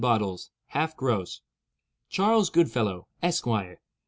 bottles (1/2 Gross) "Charles Goodfellow, Esquire.